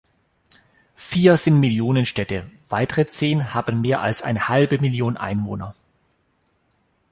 Vier sind Millionenstädte, weitere zehn haben mehr als eine halbe Million Einwohner.